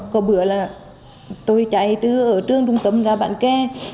có bữa là tôi chạy từ trường trung tâm ra bản khe